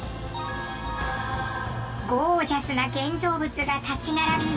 ゴージャスな建造物が立ち並び